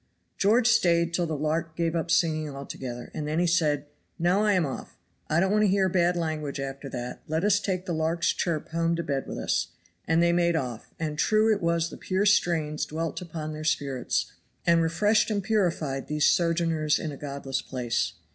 George stayed till the lark gave up singing altogether, and then he said: "Now I am off. I don't want to hear bad language after that; let us take the lark's chirp home to bed with us;" and they made off; and true it was the pure strains dwelt upon their spirits, and refreshed and purified these sojourners in a godless place.